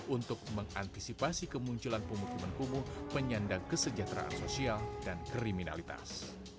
untuk mengantisipasi kemunculan pemukiman kumuh penyandang kesejahteraan sosial dan kriminalitas